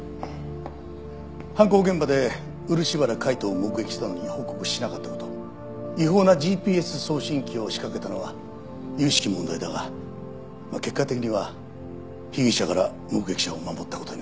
犯行現場で漆原海斗を目撃したのに報告しなかった事違法なＧＰＳ送信器を仕掛けたのは由々しき問題だが結果的には被疑者から目撃者を守った事になる。